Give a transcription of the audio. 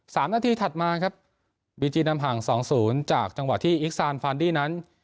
สามนาทีถัดมาครับบีจีนำห่างสองศูนย์จากจังหวะที่อิกซานฟานดี้นั้น